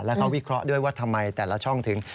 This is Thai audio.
แล้วเขาวิเคราะห์ด้วยว่าทำไมแต่ละช่องถึง